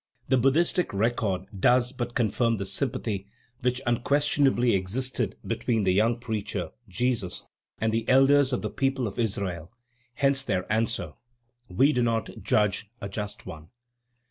The Buddhistic record does but confirm this sympathy, which unquestionably existed between the young preacher, Jesus, and the elders of the people of Israel; hence their answer: "We do not judge a just one."